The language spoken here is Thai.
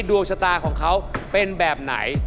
ดวงชะตาของเขาเป็นแบบไหน